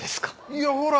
いやほら